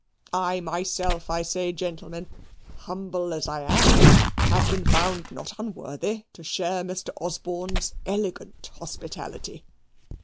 I myself, I say, gentlemen, humble as I am, have been found not unworthy to share Mr. Osborne's elegant hospitality.